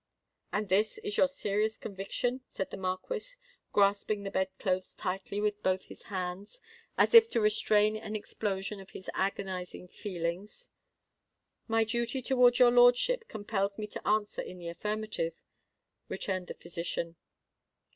"And this is your serious conviction?" said the Marquis, grasping the bed clothes tightly with both his hands, as if to restrain an explosion of his agonising feelings. "My duty towards your lordship compels me to answer in the affirmative," returned the physician.